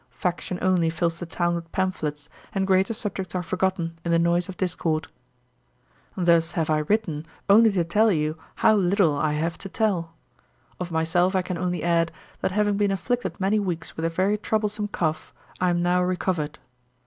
Faction only fills the town with pamphlets, and greater subjects are forgotten in the noise of discord. 'Thus have I written, only to tell you how little I have to tell. Of myself I can only add, that having been afflicted many weeks with a very troublesome cough, I am now recovered.